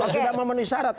sudah memenuhi syarat